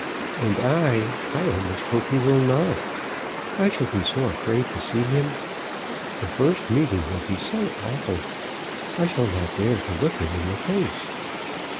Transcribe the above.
"And I, I almost hope he will not. I shall be so afraid to see him. The first meeting will be so awful. I shall not dare to look him in the face."